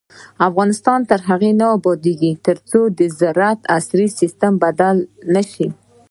افغانستان تر هغو نه ابادیږي، ترڅو زراعت په عصري سیستم بدل نشي.